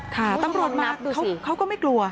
ค่ะตำรวจมาเขาก็ไม่กลัว